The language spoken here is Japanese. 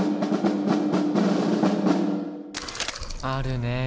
あるね